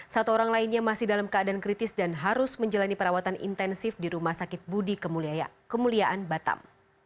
satu orang lainnya masih dalam keadaan kritis dan harus menjalani perawatan intensif di rumah sakit budi kemuliaan batam